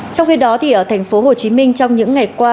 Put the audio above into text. trong khi đó ở thành phố hồ chí minh trong những ngày qua